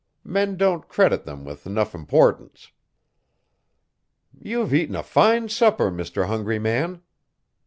Men don't credit them with 'nough importance." "You've eaten a fine supper, Mr. Hungry Man!"